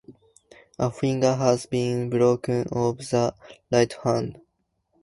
A finger has been broken off the right hand.